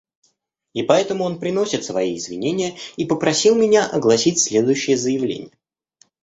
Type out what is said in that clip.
И поэтому он приносит свои извинения и попросил меня огласить следующее заявление.